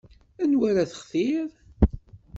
Anwa ara textir?